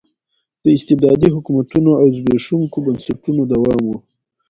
د استبدادي حکومتونو او زبېښونکو بنسټونو دوام و.